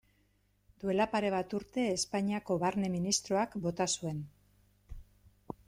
Duela pare bat urte Espainiako Barne ministroak bota zuen.